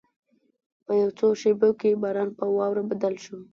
په یو څو شېبو کې باران په واوره بدل شو.